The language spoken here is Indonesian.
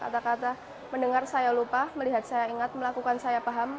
dan ada kata kata mendengar saya lupa melihat saya ingat melakukan saya paham